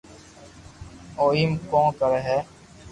او ايم ڪون ڪري ھي